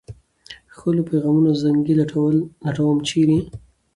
ښکلو پېغلو زنده ګي لټوم ، چېرې ؟